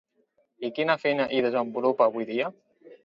I quina feina hi desenvolupa avui dia?